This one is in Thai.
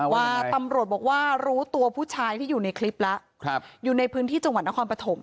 ว่าตำรวจบอกว่ารู้ตัวผู้ชายที่อยู่ในคลิปแล้วอยู่ในพื้นที่จังหวัดนครปฐม